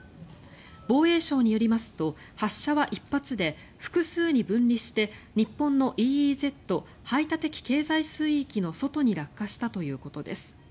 防衛省によりますと発射は１発で、複数に分離して日本のＥＥＺ・排他的経済水域の外に落下したということです。